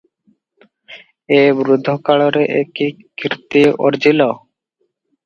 ଏ ବୃଦ୍ଧକାଳରେ ଏ କି କୀର୍ତ୍ତି ଅର୍ଜିଲ ।